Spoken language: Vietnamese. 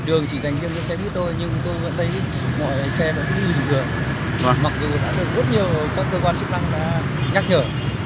đường chỉ gánh đường cho xe buýt thôi nhưng tôi vẫn thấy mọi xe vẫn cứ nhìn vừa mặc dù đã được rất nhiều cơ quan chức năng nhắc nhở